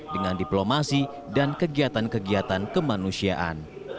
dengan diplomasi dan kegiatan kegiatan kemanusiaan